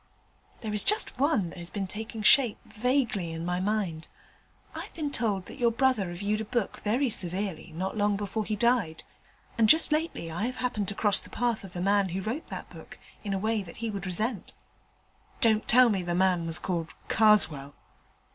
'There is just one that has been taking shape vaguely in my mind. I've been told that your brother reviewed a book very severely not long before he died, and just lately I have happened to cross the path of the man who wrote that book in a way he would resent.' 'Don't tell me the man was called Karswell.'